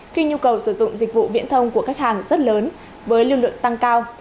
khi nhu cầu sử dụng dịch vụ viễn thông của khách hàng rất lớn với lưu lượng tăng cao